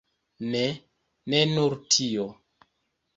Ne, ne nur tio.